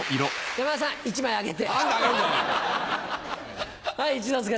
山田さん１枚あげて。